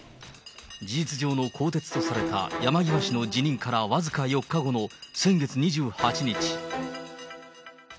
事実上の更迭とされた山際氏の辞任から僅か４日後の先月２８日。